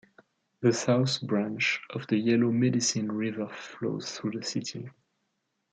The South Branch of the Yellow Medicine River flows through the city.